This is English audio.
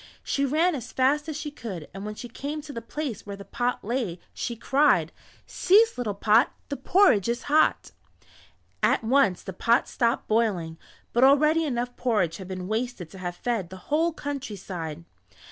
She ran as fast as she could and when she came to the place where the pot lay she cried: "Cease little pot, The porridge is hot." At once the pot stopped boiling, but already enough porridge had been wasted to have fed the whole countryside.